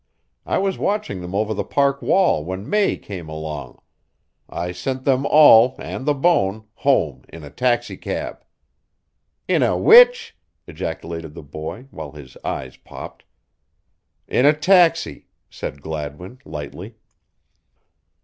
I was watching them over the park wall when May came along. I sent them all, and the bone, home in a taxicab." "In a which?" ejaculated the boy, while his eyes popped. "In a taxi," said Gladwin, lightly.